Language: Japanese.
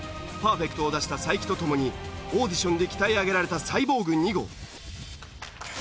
パーフェクトを出した才木と共にオーディションで鍛え上げられたサイボーグ２号。